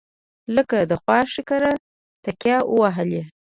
لکه د خواښې کره تکیه وهلې.